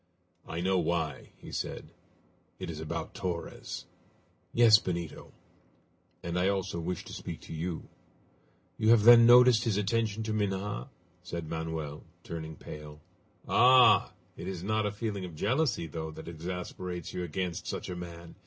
"I know why," he said; "it is about Torres." "Yes, Benito." "And I also wish to speak to you." "You have then noticed his attention to Minha?" said Manoel, turning pale. "Ah! It is not a feeling of jealousy, though, that exasperates you against such a man?"